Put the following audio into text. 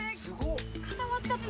固まっちゃって。